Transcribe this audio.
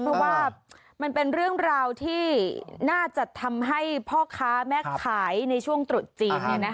เพราะว่ามันเป็นเรื่องราวที่น่าจะทำให้พ่อค้าแม่ขายในช่วงตรุษจีน